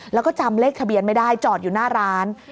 แล้วก็จำเลขทะเบียนไม่ได้จอดอยู่หน้าร้าน